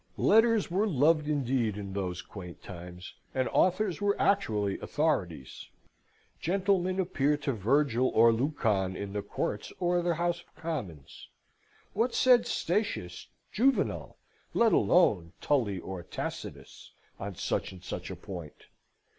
Letters were loved indeed in those quaint times, and authors were actually authorities. Gentlemen appealed to Virgil or Lucan in the Courts or the House of Commons. What said Statius, Juvenal let alone Tully or Tacitus on such and such a point?